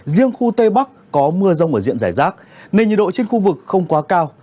riêng khu tây bắc có mưa rông ở diện giải rác nên nhiệt độ trên khu vực không quá cao